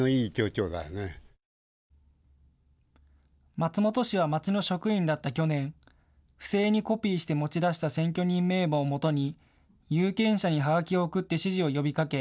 松本氏は町の職員だった去年、不正にコピーして持ち出した選挙人名簿をもとに有権者にはがきを送って支持を呼びかけ